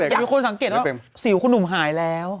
มีคนสังเกตว่าสิวคุณหนุ่มหายแล้ว